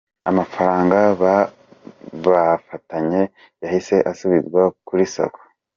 Amafaranga babafatanye yahise asubizwa kuri sacco.